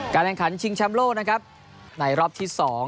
การแรงขันชิงชามโลแล้วนะครับในรอบที่สอง